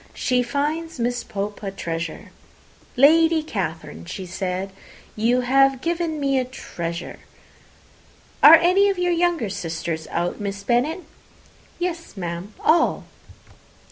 She finds Miss Pope a treasure. 'Lady Catherine,' said she, 'you have given me a treasure.' Are any of your younger sisters out, Miss Bennet?" "Yes, ma'am, all."